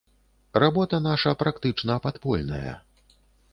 Работа наша практычна падпольная.